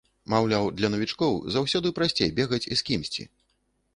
Маўляў, для навічкоў заўсёды прасцей бегаць з кімсьці.